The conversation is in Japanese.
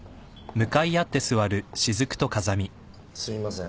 すみません